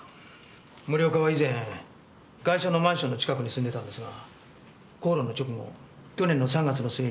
森岡は以前ガイシャのマンションの近くに住んでいたんですが口論の直後去年の３月の末に今の住所